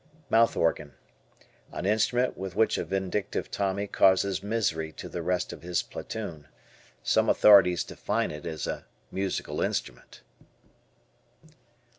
Mouth Organ. An instrument with which a vindictive Tommy causes misery to the rest of his platoon. Some authorities define it as a "musical instrument."